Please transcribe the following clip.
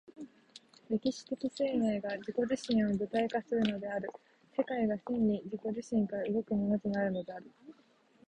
歴史的生命が自己自身を具体化するのである、世界が真に自己自身から動くものとなるのである。